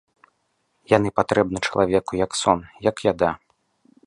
Яны патрэбны чалавеку як сон, як яда.